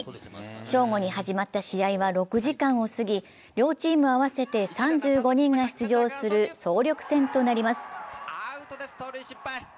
正午に始まった試合は６時間が過ぎ、両チーム合わせて３５人が出場する総力戦となります。